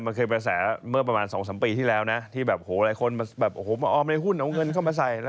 มันเคยเป็นกระแสเมื่อประมาณ๒๓ปีที่แล้วนะที่หลายคนมาออมในหุ้นเอาเงินเข้ามาใส่